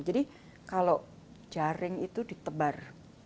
jadi kalau jaring itu ditebar